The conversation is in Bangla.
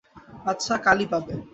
আচ্ছা, কালই পাবে।